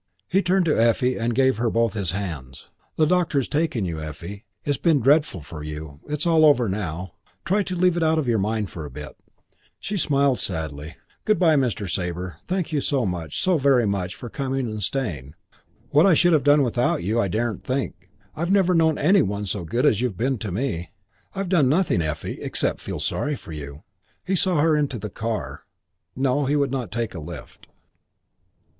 He turned to Effie and gave her both his hands. "The doctor's taking you, Effie. It's been dreadful for you. It's all over now. Try to leave it out of your mind for a bit." She smiled sadly. "Good by, Mr. Sabre. Thank you so much, so very much, for coming and staying. What I should have done without you I daren't think. I've never known any one so good as you've been to me." "I've done nothing, Effie, except feel sorry for you." He saw her into the car. No, he would not take a lift.